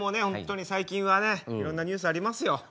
本当に最近はねいろんなニュースありますよ。